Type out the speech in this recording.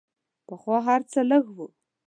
پخوا هر څه لږ وو.